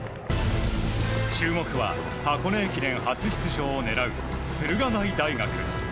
注目は箱根駅伝初出場を狙う駿河台大学。